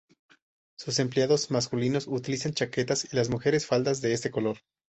Sus empleados masculinos utilizan chaquetas y las mujeres faldas de este color.